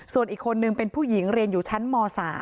ส่วนอีกคนนึงเป็นผู้หญิงเรียนอยู่ชั้นม๓